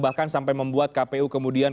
bahkan sampai membuat kpu kemudian